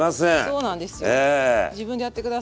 そうなんですよね。